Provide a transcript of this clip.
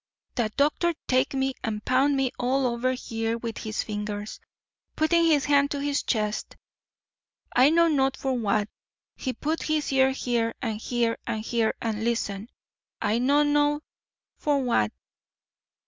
That doctor take me and pound me all over here with his fingers"—putting his hand to his chest—"I not know for what. He put his ear here and here and here, and listen— I not know for what.